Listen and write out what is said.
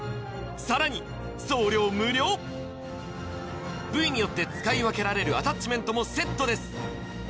さらに送料無料部位によって使い分けられるアタッチメントもセットです